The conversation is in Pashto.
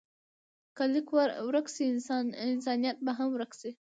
که لیک ورک شي، انسانیت به هم ورک شي.